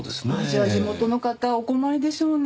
じゃあ地元の方お困りでしょうね。